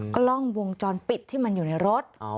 กล้องวงจรปิดที่มันอยู่ในรถ